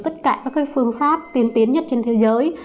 tất cả các phương pháp tiên tiến nhất trên thế giới